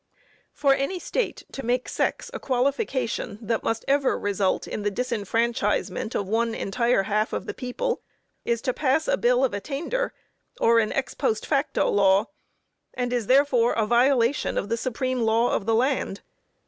For any State to make sex a qualification that must ever result in the disfranchisement of one entire half of the people, is to pass a bill of attainder, or an ex post facto law, and is therefore a violation of the supreme law of the land.